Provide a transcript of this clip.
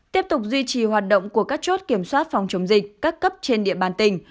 tiếp tục duy trì hoạt động của các chốt kiểm soát phòng chống dịch các cấp trên địa bàn tỉnh